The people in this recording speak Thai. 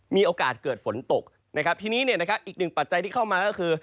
มีโอกาสเกิดฝนตก